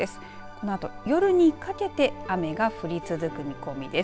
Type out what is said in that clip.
このあと、夜にかけて雨が降り続く見込みです。